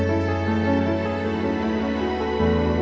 ma tidur ya